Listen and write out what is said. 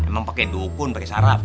emang pake dukun pake syarat